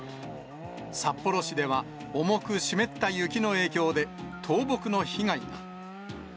札幌市では、重く湿った雪の影響で、倒木の被害が。